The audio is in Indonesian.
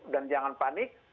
dan jangan panik